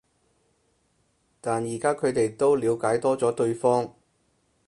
但而家佢哋都了解多咗對方